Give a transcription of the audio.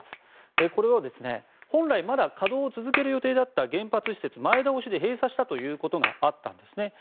これを本来まだ稼働を続ける予定だった原発施設、前倒しで閉鎖するということがあったんです。